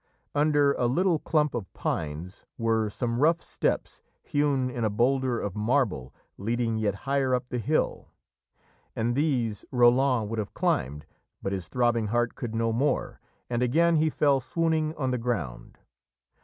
Under a little clump of pines were some rough steps hewn in a boulder of marble leading yet higher up the hill, and these Roland would have climbed, but his throbbing heart could no more, and again he fell swooning on the ground.